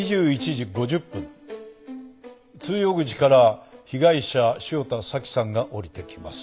２１時５０分通用口から被害者汐田早紀さんが下りてきます。